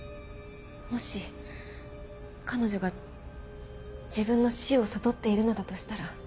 もし彼女が自分の死を悟っているのだとしたら。